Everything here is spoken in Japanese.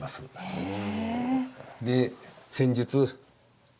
へえ。